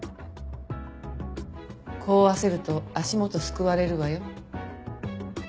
功を焦ると足元すくわれるわよ。